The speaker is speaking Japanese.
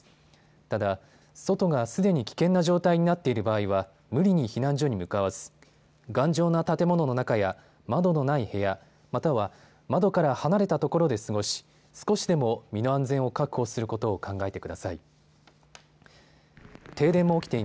ただ外がすでに危険な状態になっている場合は無理に避難所に向かわず頑丈な建物の中や窓のない部屋、または窓から離れたところで過ごし、少しでも身の安全を確保することを考えてください。